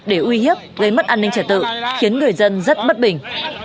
để uy hiếp gây mất an ninh trả tự khiến người dân rất bất bình